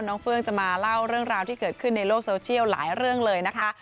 เฟื่องจะมาเล่าเรื่องราวที่เกิดขึ้นในโลกโซเชียลหลายเรื่องเลยนะคะ